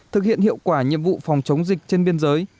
thực hiện hiệu quả nhiệm vụ phòng chống dịch trên biên giới